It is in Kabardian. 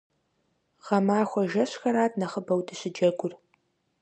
Гъэмахуэ жэщхэрат нэхъыбэу дыщыджэгур.